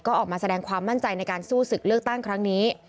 ก็ออกมาแสดงความมั่นใจในการสู้ศึกเลือกตั้งครั้งนี้